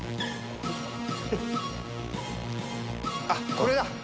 これだ。